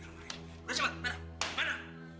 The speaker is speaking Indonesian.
udah cepat dimana